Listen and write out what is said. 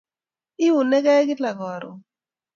Iunigei kila karon